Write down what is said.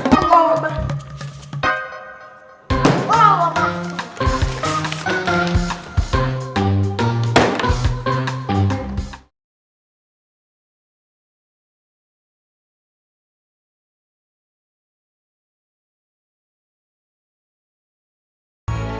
sampai ustadz menyuruh